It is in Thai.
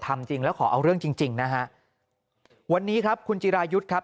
ทำจริงแล้วขอเอาเรื่องจริงจริงนะฮะวันนี้ครับคุณจิรายุทธ์ครับ